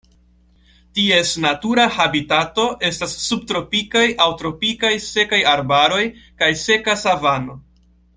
Ties natura habitato estas subtropikaj aŭ tropikaj sekaj arbaroj kaj seka savano.